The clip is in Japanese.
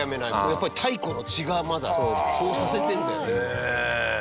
やっぱり、太古の血が、まだそうさせてるんだよね。